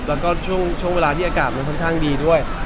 แล้วก็ช่วงเวลาที่อากาศมันค่อนข้างดีด้วย